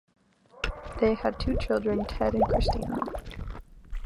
They had two children, Ted and Christina.